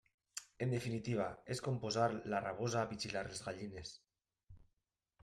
En definitiva, és com posar la rabosa a vigilar les gallines.